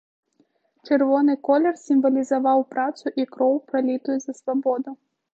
Чырвоны колер сімвалізаваў працу і кроў, пралітую за свабоду.